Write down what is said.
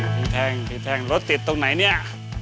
มีแทงผีแทงรถติดตรงไหนเนี่ย